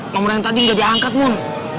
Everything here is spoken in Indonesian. nomor yang tadi gak diangkat mon